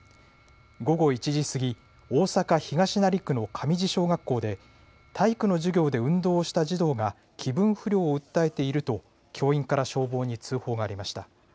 午後１時過ぎ、大阪東成区の神路小学校で体育の授業で運動した児童が気分不良を訴えていると教員から消防に通報がありました。